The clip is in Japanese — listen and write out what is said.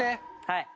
はい。